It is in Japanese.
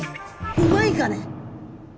うまいかね！